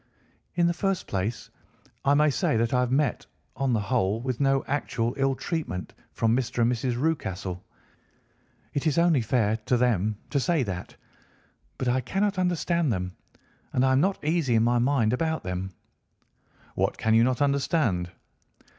"In the first place, I may say that I have met, on the whole, with no actual ill treatment from Mr. and Mrs. Rucastle. It is only fair to them to say that. But I cannot understand them, and I am not easy in my mind about them." "What can you not understand?"